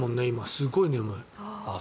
すごい眠い。